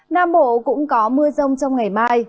nam bộ cũng có mưa rông trong ngày mai